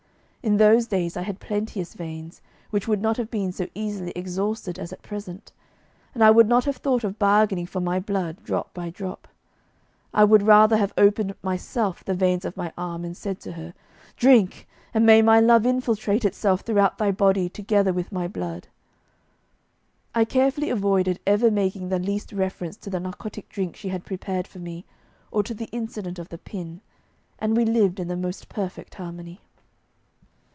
In those days I had plenteous veins, which would not have been so easily exhausted as at present; and I would not have thought of bargaining for my blood, drop by drop. I would rather have opened myself the veins of my arm and said to her: 'Drink, and may my love infiltrate itself throughout thy body together with my blood!' I carefully avoided ever making the least reference to the narcotic drink she had prepared for me, or to the incident of the pin, and we lived in the most perfect harmony.